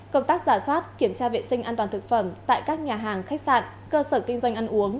công tác giả soát kiểm tra vệ sinh an toàn thực phẩm tại các nhà hàng khách sạn cơ sở kinh doanh ăn uống